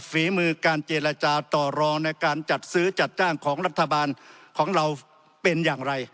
ฝีมือการเจรจาต่อรองในการจัดซื้อจัดจ้างของรัฐบาลของเราเป็นอย่างไร